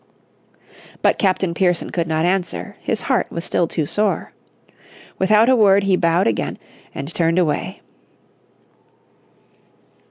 But Captain Pearson could not answer, his heart was still too sore. Without a word he bowed again and turned away.